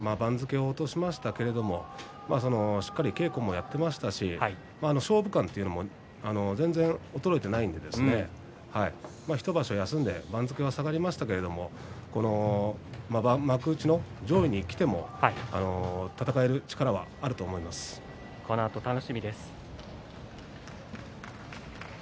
やはり、けがで手術があって番付を落としましたけれどもしっかり稽古もやっていましたし勝負勘も全然衰えていないので１場所休んで番付は下がりましたけど幕内の上位にきてもこのあと楽しみです。